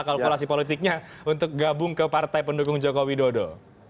kalkulasi politiknya untuk gabung ke partai pendukung jokowi dodo